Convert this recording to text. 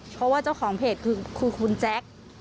เพราะว่าเจ้าของเพจคือคุณแจ๊ค